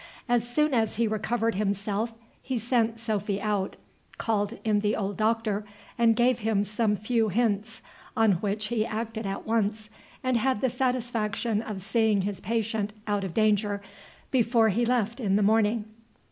As soon as he recovered himself, he sent Sophy out, called in the old Doctor, and gave him some few hints, on which he acted at once, and had the satisfaction of seeing his patient out of danger before he left in the morning.